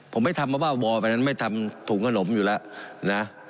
ผมไม่ทำเพราะว่าวอลอันนั้นไม่ทำถุงขนมอยู่แล้วนะ